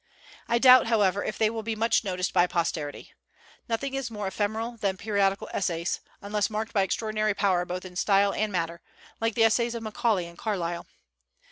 I doubt, however, if they will be much noticed by posterity. Nothing is more ephemeral than periodical essays, unless marked by extraordinary power both in style and matter, like the essays of Macaulay and Carlyle.